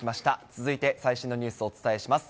続いて、最新のニュースをお伝えします。